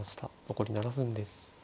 残り７分です。